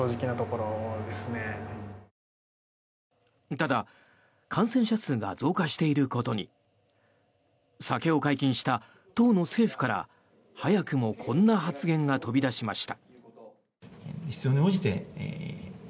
ただ、感染者数が増加していることに酒を解禁した当の政府から早くもこんな発言が飛び出しました。